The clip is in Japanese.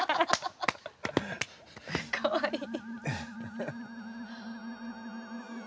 かわいい。